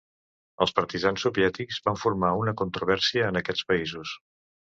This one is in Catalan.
Els partisans soviètics van formar una controvèrsia en aquests països.